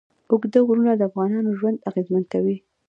اوږده غرونه د افغانانو ژوند اغېزمن کوي.